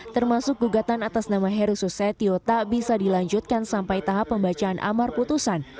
termasuk gugatan atas nama heru susetio tak bisa dilanjutkan sampai tahap pembacaan amar putusan